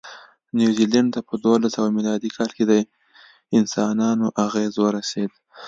نیوزیلند ته په دوولسسوه مېلادي کې د انسانانو اغېز ورسېد.